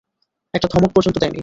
একটা ধমক পর্যন্ত দেয় নি।